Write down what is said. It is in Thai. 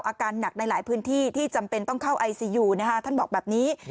อาการหนักในหลายพื้นที่ที่จำเป็นต้องเข้าไอซียูท่านบอกแบบนี้